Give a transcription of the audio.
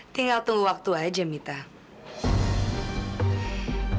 itu orang kita yang kita atau heeft seperti tanpa